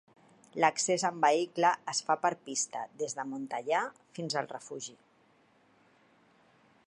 L'accés amb vehicle es fa per pista, des de Montellà, fins al refugi.